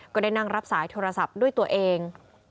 ก็ได้นั่งรับสายโทรศัพท์ด้วยตัวเอง